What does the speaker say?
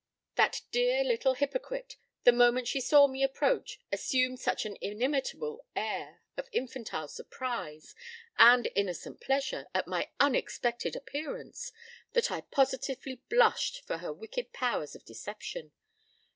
That dear little hypocrite, the moment she saw me approach, assumed such an inimitable air of infantile surprise and innocent pleasure at my unexpected appearance that I positively blushed for her wicked powers of deception.